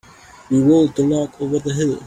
We rolled the log over the hill.